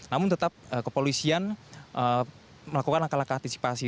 namun tetap kepolisian melakukan langkah langkah antisipasi